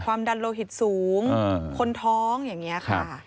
ความดันโลหิตสูงคนท้องอย่างเนี่ยค่ะ